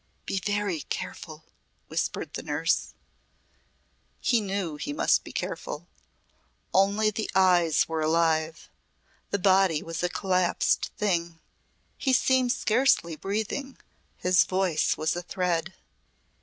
"Be very careful!" whispered the nurse. He knew he must be careful. Only the eyes were alive. The body was a collapsed thing. He seemed scarcely breathing, his voice was a thread.